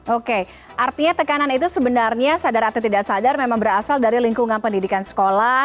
oke artinya tekanan itu sebenarnya sadar atau tidak sadar memang berasal dari lingkungan pendidikan sekolah